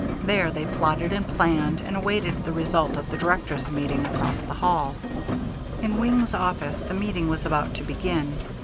There they plotted and planned and awaited the result of the directors' meeting across the hall. In Wing's office the meeting was about to begin.